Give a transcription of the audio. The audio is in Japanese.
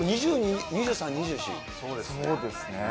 そうですね。